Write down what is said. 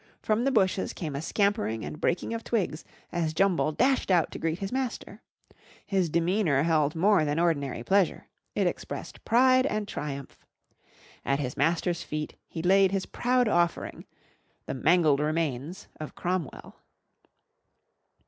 From the bushes came a scampering and breaking of twigs as Jumble dashed out to greet his master. His demeanour held more than ordinary pleasure: it expressed pride and triumph. At his master's feet he laid his proud offering the mangled remains of Cromwell.